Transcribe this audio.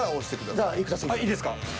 はいいいですか？